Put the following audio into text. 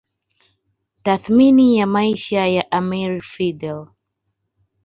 Tathmini ya maisha ya amir Fidel